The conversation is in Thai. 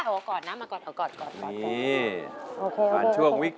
ร้องได้ร้องได้